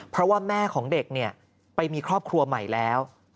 เพราะว่าแม่ของเด็กเนี่ยไปมีครอบครัวใหม่แล้ว